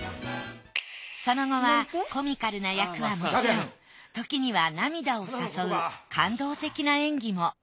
その後はコミカルな役はもちろんときには涙を誘う感動的な演技も。